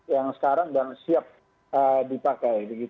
yang sekarang dan siap dipakai